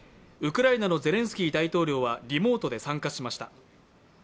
ウクライナのゼレンスキー大統領はリモートで参加しました。